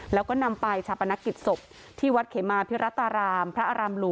แล้วก็นำไปชาปนกิจศพที่วัดเขมาพิรัตรารามพระอารามหลวง